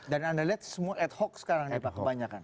dan anda lihat semua ad hoc sekarang ya pak kebanyakan